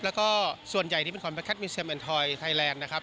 แล้วก็ส่วนใหญ่ที่เป็นของแบทแคทมิวเซียมแอนด์ทอยส์ไทยแลนด์นะครับ